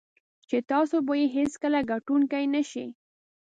چې تاسو به یې هېڅکله ګټونکی نه شئ.